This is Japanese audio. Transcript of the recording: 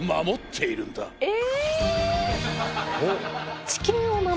え？